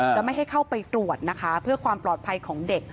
จะไม่ให้เข้าไปตรวจนะคะเพื่อความปลอดภัยของเด็ก